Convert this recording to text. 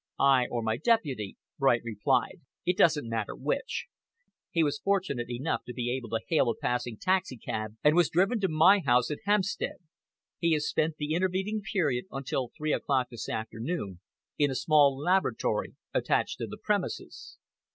"I or my deputy," Bright replied. "It doesn't matter which. He was fortunate enough to be able to hail a passing taxicab and was driven to my house in Hampstead. He has spent the intervening period, until three o'clock this afternoon, in a small laboratory attached to the premises."